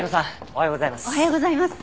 おはようございます。